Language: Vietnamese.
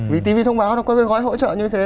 vì tivi thông báo nó có gói hỗ trợ như thế